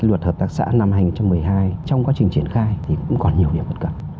luật hợp tác xã năm hai nghìn một mươi hai trong quá trình triển khai thì cũng còn nhiều điểm bất cập